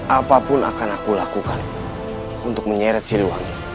apapun akan aku lakukan untuk menyeret siliwangi